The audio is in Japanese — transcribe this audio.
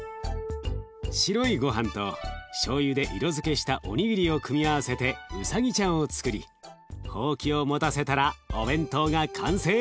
白いごはんとしょうゆで色づけしたおにぎりを組み合わせてウサギちゃんをつくりホウキを持たせたらお弁当が完成。